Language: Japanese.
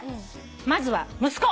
「まずは息子。